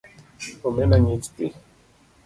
Omena ng’ich dhi